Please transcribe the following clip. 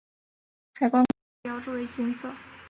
海关关衔标志为金色。